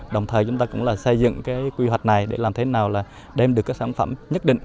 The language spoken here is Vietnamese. đồng thời chúng ta cũng xây dựng quy hoạch này để làm thế nào đem được các sản phẩm nhất định